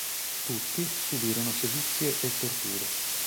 Tutti subirono sevizie e torture.